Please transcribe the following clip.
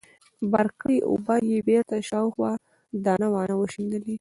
بار کړې اوبه يې بېرته شاوخوا دانه وانه وشيندلې.